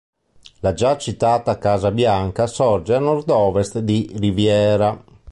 La già citata Casabianca sorge a nordovest di Riviera.